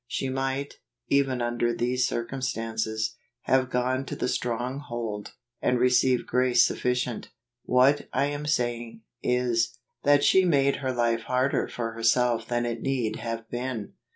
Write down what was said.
She might, even under these circumstances, have gone to the Stronghold, and received grace suffi¬ cient. What I am saying, is, that she made life harder for herself than it need have been.